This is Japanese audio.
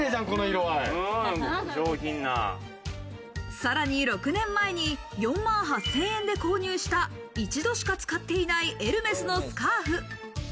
さらに６年前に４万８０００円で購入した、一度しか使っていないエルメスのスカーフ。